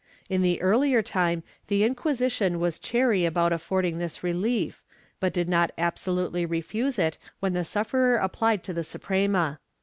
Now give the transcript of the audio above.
In the earlier time the Inquisition was chary about affording this relief, but did not absolutely refuse it when the sufferer applied to the Suprema.